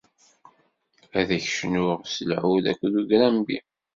Ad ak-cnuɣ s lɛud akked ugrambi!